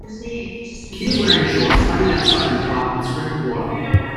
Kids wearing shorts playing outside in the park with sprinkling water.